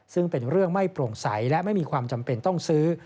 ซึ่งเป็นเรื่องไม่โปร่งใสและไม่มีความจำเป็นต้องซื้อ